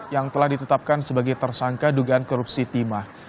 yang telah ditetapkan sebagai tersangka dugaan korupsi timah